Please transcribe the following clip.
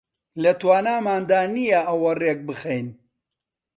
لە تواناماندا نییە ئەوە ڕێک بخەین